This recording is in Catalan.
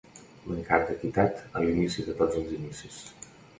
Mancat d'equitat a l'inici de tots els inicis.